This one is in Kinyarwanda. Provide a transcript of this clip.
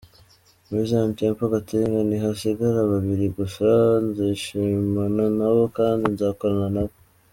Muri Zion Temple Gatenga nihasigara babiri gusa, nzishimana nabo kandi nzakorana nabo.